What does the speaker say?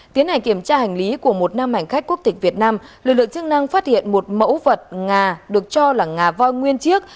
tiến hành kiểm tra hành lý của một nam hành khách quốc tịch việt nam lực lượng chức năng phát hiện một mẫu vật nga được cho là ngà voi nguyên chiếc